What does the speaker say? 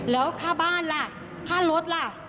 แล้วค่าบ้านล่ะค่ารถล่ะ